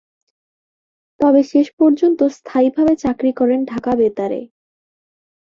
তবে শেষ পর্যন্ত স্থায়ীভাবে চাকরি করেন ঢাকা বেতারে।